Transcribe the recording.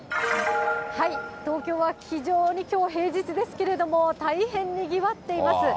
東京は非常にきょう平日ですけれども、大変にぎわっています。